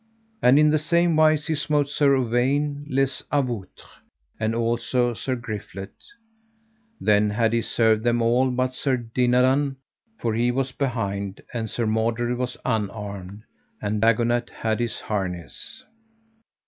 And in the same wise he smote Sir Uwaine les Avoutres and also Sir Griflet. Then had he served them all but Sir Dinadan, for he was behind, and Sir Mordred was unarmed, and Dagonet had his harness.